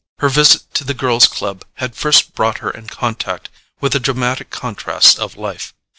Her visit to the Girls' Club had first brought her in contact with the dramatic contrasts of life.